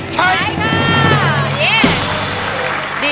ใช้